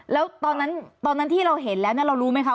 แล้วตอนนั้นตอนนั้นที่เราเห็นแล้วเนี่ยเรารู้ไหมคะ